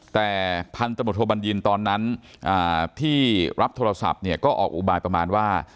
แต่พันธบทโทบัญญินตอนนั้นที่รับโทรศัพท์เนี่ยก็ออกอุบายประมาณว่า